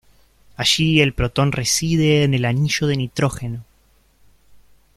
Allí el protón reside en el anillo de nitrógeno.